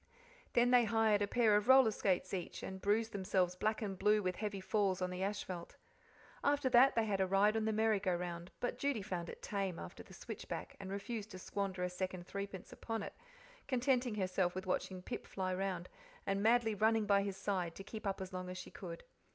Then they hired a pair of roller skates each, and bruised themselves black and blue with heavy falls on the asphalt. After that they had a ride on the merry go round, but Judy found it tame after the switchback, and refused to squander a second threepence upon it, contenting herself with watching Pip fly round, and madly running by his side, to keep up as long as she could.